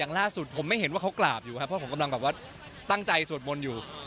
อย่างล่าสุดผมไม่เห็นว่าเขากราบอยู่พ่อผมตั้งใจสวดบนอยู่